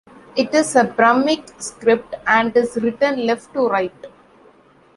It is a Brahmic script and is written left-to-right.